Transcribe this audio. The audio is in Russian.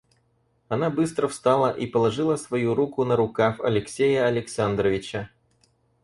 Она быстро встала и положила свою руку на рукав Алексея Александровича.